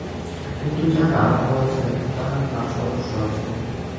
কিন্তু যাহার আরম্ভ আছে, তাহার নাশ অবশ্য আছে।